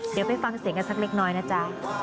เดี๋ยวไปฟังเสียงกันสักเล็กน้อยนะจ๊ะ